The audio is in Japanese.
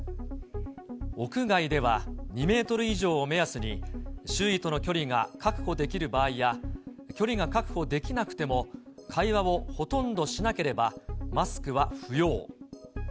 屋外では、２メートル以上を目安に、周囲との距離が確保できる場合や、距離が確保できなくても、会話をほとんどしなければ、マスクは不要。